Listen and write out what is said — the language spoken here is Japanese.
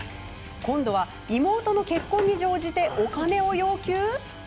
今度は、妹の結婚に乗じてお金を要求？